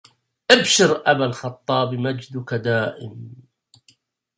أبشر أبا الخطاب مجدك دائم